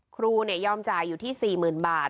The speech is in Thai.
ครูยอมจ่ายอยู่ที่๔๐๐๐บาท